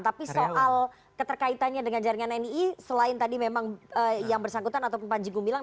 tapi soal keterkaitannya dengan jaringan nii selain tadi memang yang bersangkutan ataupun panji gumilang